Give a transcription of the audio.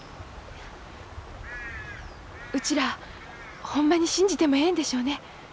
うちらほんまに信じてもええんでしょうね？